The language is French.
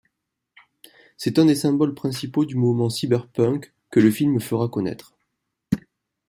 C'est un des symboles principaux du mouvement cyberpunk que le film fera connaître.